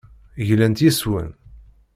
Glant yes-wen.